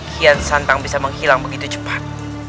kian santang bisa menghilang begitu cepat